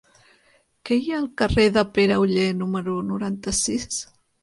Què hi ha al carrer de Pere Oller número noranta-sis?